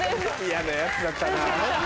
嫌なヤツだったな。